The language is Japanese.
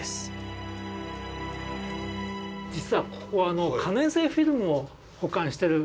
実はここ可燃性フィルムを保管してる。